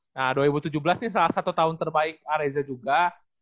nah dua ribu tujuh belas ini salah satu tahun terbaik areza juga